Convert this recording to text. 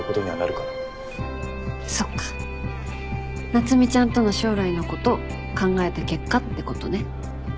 夏海ちゃんとの将来のこと考えた結果ってことね。